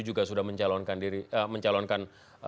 juga sudah mencalonkan